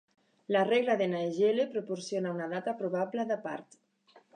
La regla de Naegele proporciona una data probable de part.